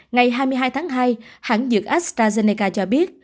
ngày hai mươi hai tháng hai hãng dược astrazeneca cho biết